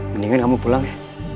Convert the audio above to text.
mendingan kamu pulang ya